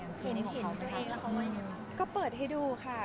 เห็นตัวเองก็เปิดให้ดูค่ะ